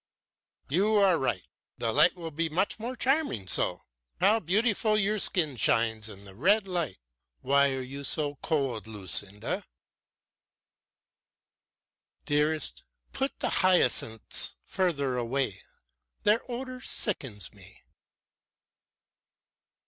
"You are right. The light will be much more charming so. How beautiful your skin shines in the red light! Why are you so cold, Lucinda?" "Dearest, put the hyacinths further away, their odor sickens me."